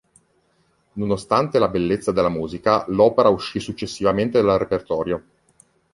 Nonostante la bellezza della musica, l'opera uscì successivamente dal repertorio.